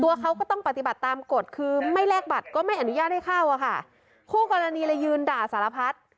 ตัวเขาก็ต้องปฏิบัติตามกฎคือไม่แลกบัตรก็ไม่อนุญาตให้เข้าอ่ะค่ะคู่กรณีเลยยืนด่าสารพัด